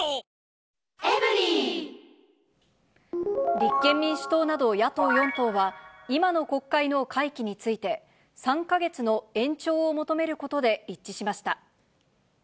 立憲民主党など野党４党は、今の国会の会期について、３か月の延長を求めることで一致しました。